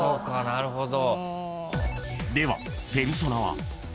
なるほど。